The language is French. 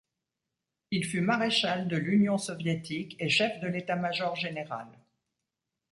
Il fut maréchal de l'Union soviétique et chef de l'état-major général.